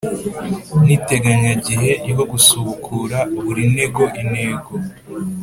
n iteganyagihe ryo gusubukura buri ntego intego